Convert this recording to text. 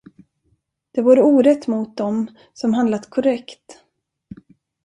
Det vore orätt mot dem, som handlat korrekt.